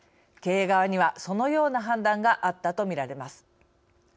経営側には、そのような判断があったとみられます。